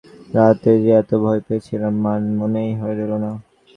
রাতে যে এত ভয় পেয়েছিলাম মনেই রইল না।